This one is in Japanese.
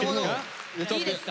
いいですか？